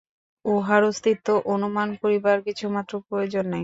উহার অস্তিত্ব অনুমান করিবার কিছুমাত্র প্রয়োজন নাই।